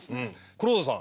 黒田さん